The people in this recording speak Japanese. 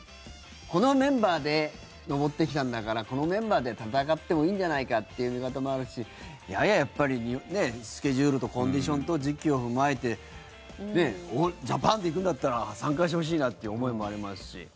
このメンバーで上ってきたんだからこのメンバーで戦ってもいいんじゃないかという見方もあるしいやいや、やっぱりスケジュールとコンディションと時期を踏まえてジャパンで行くんだったら参加してほしいなという思いもありますし。